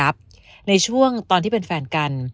ในช่วงตอนที่เป็นแฟนกัน